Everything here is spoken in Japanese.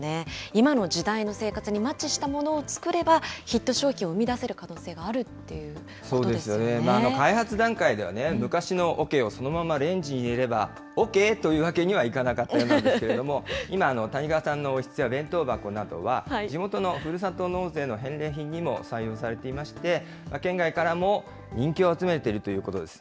今の時代の生活にマッチしたものを作ればヒット商品を生み出せるそうですよね、開発段階ではね、昔のおけをそのままレンジに入れれば、おけーというわけにはいかなかったようなんですけれども、今、谷川さんのおひつや弁当箱などは、地元のふるさと納税の返礼品にも採用されていまして、県外からも人気を集めているということです。